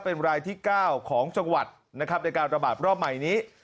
เป็นรายที่๙ของจังหวัดนะครับในการระบาดรอบใหม่นี้